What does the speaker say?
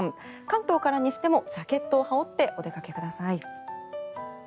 関東から西でもジャケットを羽織ってお出かけください。